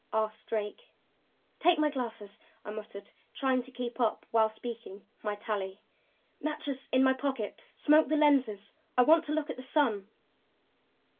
asked Drake. "Take my glasses," I muttered, trying to keep up, while speaking, my tally. "Matches in my pocket. Smoke the lenses. I want to look at sun."